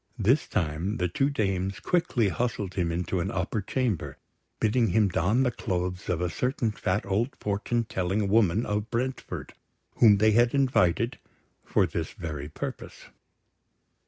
This time the two dames quickly hustled him into an upper chamber, bidding him don the clothes of a certain fat old fortune telling woman of Brentford, whom they had invited for this very purpose.